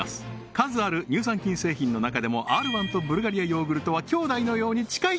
数ある乳酸菌製品の中でもＲ−１とブルガリアヨーグルトは兄弟のように近い！